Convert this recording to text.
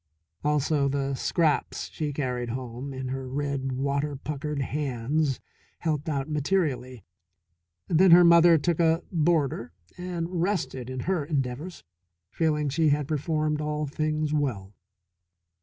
Also the scraps she carried home in her red, water puckered hands helped out materially. Then her mother took a boarder and rested in her endeavours, feeling she had performed all things well.